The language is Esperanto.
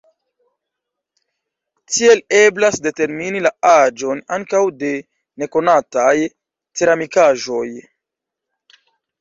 Tiel eblas determini la aĝon ankaŭ de nekonataj ceramikaĵoj.